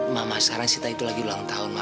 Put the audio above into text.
mama sekarang sita itu lagi ulang tahun